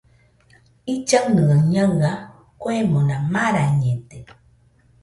Illaɨnɨaɨ ñaɨa kuemona marañede.